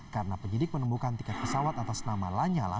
karena penyidik menemukan tiket pesawat atas nama lanyala